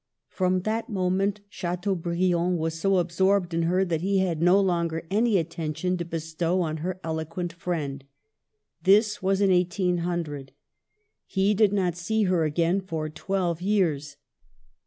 From that moment Chlteaubriarid was so absorbed in her that he had no longer any attention to bestow on her eloquent friend. This was in 1800. He did not see her again for twelve years.